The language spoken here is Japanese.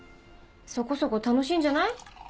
そこそこ楽しいんじゃない？